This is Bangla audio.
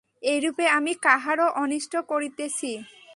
এইরূপে আমি কাহারও অনিষ্ট করিতেছি।